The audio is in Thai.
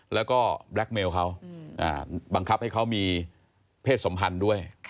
แล้วก็แบล็คเมลเขาบังคับให้เขามีเพศสมพันธ์ด้วย